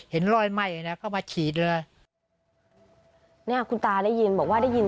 เห็นรอยไหม้นะเข้ามาฉีดเลยเนี่ยคุณตาได้ยินบอกว่าได้ยิน